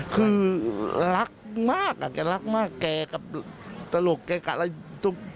คือรักมากแกรักมากแกกลับตลกแกกลับตลก